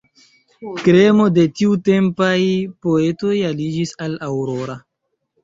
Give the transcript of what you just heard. Kremo de tiutempaj poetoj aliĝis al Aurora.